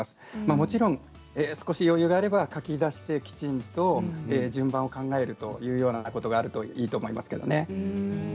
もちろん少し余裕があれば書き出してきちんと順番を考えるということがあるといいと思いますけれどもね。